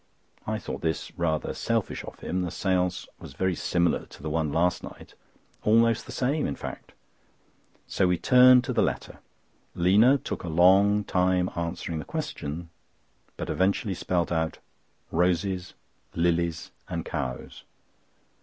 I thought this rather selfish of him. The séance was very similar to the one last night, almost the same in fact. So we turned to the letter. "Lina" took a long time answering the question, but eventually spelt out "ROSES, LILIES, AND COWS."